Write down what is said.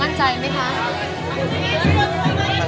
มั่นใจไหมครับ